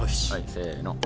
せの。